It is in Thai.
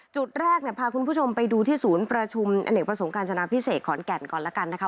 จุดแรกเนี่ยพาคุณผู้ชมไปดูที่ศูนย์ประชุมอเนกประสงค์การจนาพิเศษขอนแก่นก่อนแล้วกันนะคะ